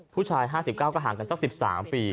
ผู้ชาย๕๙ก็ห่างกันสัก๑๓ปี